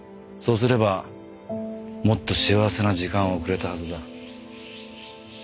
そうすればもっと幸せな時間を送れたはずだ。